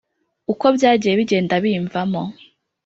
Uko byagiye bigenda bimvamo